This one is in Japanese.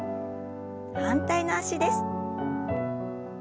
反対の脚です。